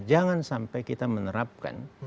jangan sampai kita menerapkan